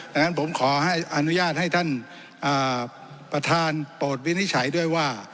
ดังนั้นผมขออนุญาตให้ท่านประธานโปรดวินิจฉัยด้วยว่า